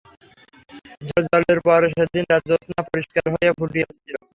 ঝড়জলের পর সেদিন রাত্রে জ্যোৎস্না পরিষ্কার হইয়া ফুটিয়াছে।